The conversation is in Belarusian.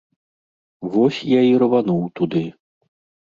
Вось я і рвануў туды.